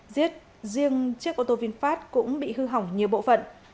giết riêng chiếc ô tô vinfast cũng bị hư hỏng nhiều bộ phận